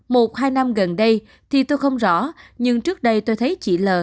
một hai năm gần đây thì tôi không rõ nhưng trước đây tôi thấy chị l